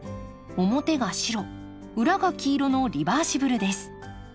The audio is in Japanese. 表が白裏が黄色のリバーシブルです。